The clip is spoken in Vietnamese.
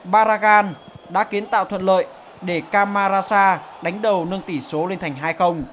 baragan đã kiến tạo thuận lợi để kamarasa đánh đầu nâng tỷ số lên thành hai